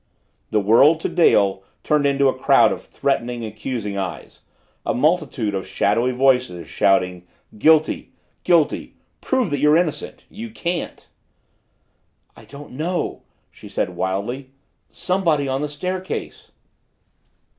The world to Dale turned into a crowd of threatening, accusing eyes a multitude of shadowy voices, shouting, Guilty! Guilty! Prove that you're innocent you can't! "I don't know," she said wildly. "Somebody on the staircase."